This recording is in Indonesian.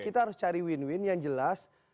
kita harus cari win win yang jelas